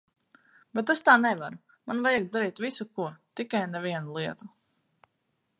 Bet es tā nevaru, man vajag darīt visu ko, tikai ne vienu lietu.